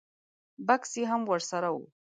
بکس یې هم ور سره و.